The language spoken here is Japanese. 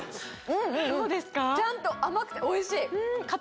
ちゃんと甘くておいしい。